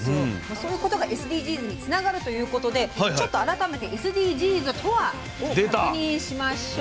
そういうことがＳＤＧｓにつながるということでちょっと改めてＳＤＧｓとはを確認しましょう。